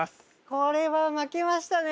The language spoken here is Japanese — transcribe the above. これは負けましたね